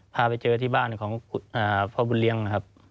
พาไปเจอที่บ้านของพ่อบุญเลี้ยงนะครับ